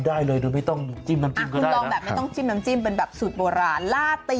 ข้างบัวแห่งสันยินดีต้อนรับทุกท่านนะครับ